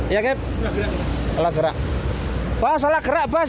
ya allah rekan rekan